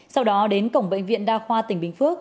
sau đó đến cổng bệnh viện đa khoa tỉnh bình phước